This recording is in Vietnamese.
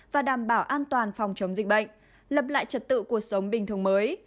và đảm bảo an toàn phòng chống dịch bệnh lập lại trật tự cuộc sống bình thường mới